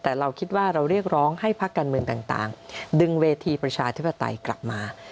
แต่เราคิดว่าเราเรียกร้องให้พักการเมืองต่างดึงเวทีประชาธิปไตยกลับมา